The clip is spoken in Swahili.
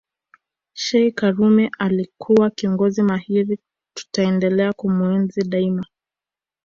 Sheikh karume alikuwa kiongozi mahiri tutaendelea kumuenzi daima